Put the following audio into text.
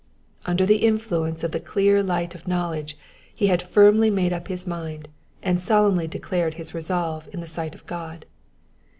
"^^ Under the influence of the clear light of knowledge he had firmly made up his mind, and solemnly declared his resolve in the sight of God.